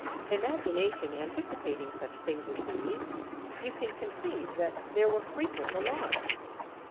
Imagination anticipating such things as these, you can conceive that there were frequent alarms.